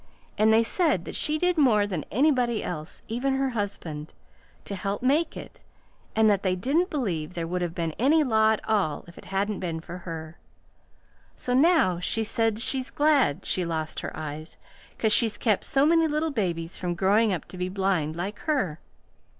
And they said that she did more than anybody else, even her husband, to help make it, and that they didn't believe there would have been any law at all if it hadn't been for her. So now she says she's glad she lost her eyes, 'cause she's kept so many little babies from growing up to be blind like her.